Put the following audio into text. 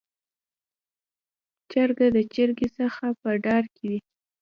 چرګ د چرګې څخه په ډار کې و.